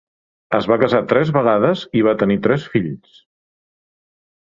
Es va casar tres vegades i va tenir tres fills.